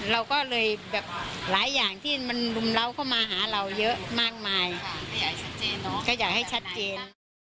เราก็เลยแบบหลายอย่างที่มันรุมเล้าเข้ามาหาเราเยอะมากมายก็อยากให้ชัดเจน